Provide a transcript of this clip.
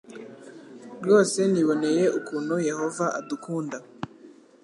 Rwose niboneye ukuntu Yehova adukunda,